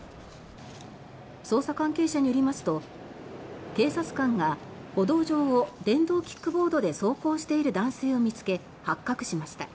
捜査関係者によりますと警察官が歩道上を電動キックボードで走行している男性を見つけ発覚しました。